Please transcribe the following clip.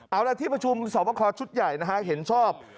เอาล่ะที่ประชุมสอบคอชุดใหญ่นะฮะเห็นชอบ